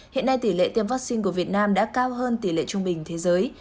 hiện nay tỷ lệ tiêm vaccine của việt nam đã cao hơn tỷ lệ trung bình thế giới